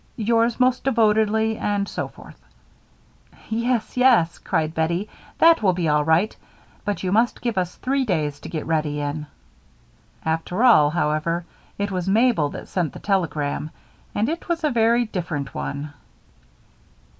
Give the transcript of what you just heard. Yours most devotedly and so forth.'" "Yes, yes," cried Bettie, "that will be all right, but you must give us three days to get ready in." After all, however, it was Mabel that sent the telegram, and it was a very different one.